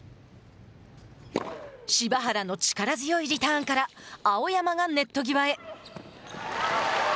柴原の力強いリターンから青山がネット際へ。